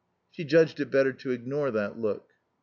She judged it better to ignore that look.